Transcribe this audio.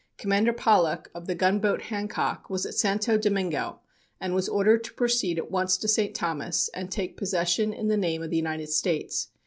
Commander Pollock, of the gunboat Hancock, was at Santo Domingo and was ordered to proceed at once to St. Thomas and take possession in the name of the United States.